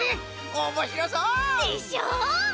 おもしろそう！でしょう！？